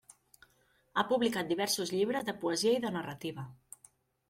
Ha publicat diversos llibres de poesia i de narrativa.